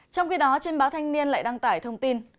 trong khi đó trên báo thanh niên lại đăng tải thông tin